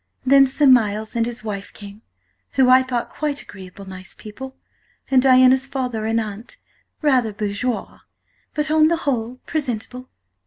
Then Sir Miles and his wife came, who I thought quite agreeable nice People, and Diana's Father and Aunt, rather Bourgeois, but, on the whole, presentable.